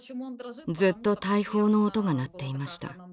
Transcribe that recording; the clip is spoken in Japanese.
ずっと大砲の音が鳴っていました。